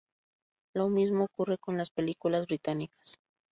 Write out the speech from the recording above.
Lo mismo ocurre con las películas británicas.